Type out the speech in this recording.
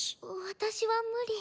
私は無理。